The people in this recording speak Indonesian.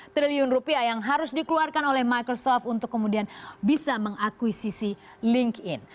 tiga triliun rupiah yang harus dikeluarkan oleh microsoft untuk kemudian bisa mengakuisisi linkedin